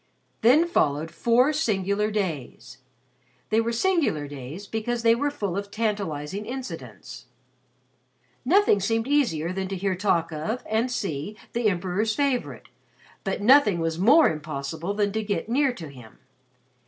Then followed four singular days. They were singular days because they were full of tantalizing incidents. Nothing seemed easier than to hear talk of, and see the Emperor's favorite, but nothing was more impossible than to get near to him.